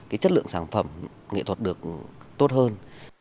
nâng cao cái chất lượng sản phẩm nghệ thuật được tốt hơn